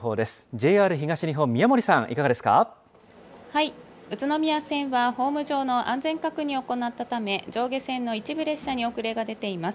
ＪＲ東日本、宇都宮線は、ホーム上の安全確認を行ったため、上下線の一部列車に遅れが出ています。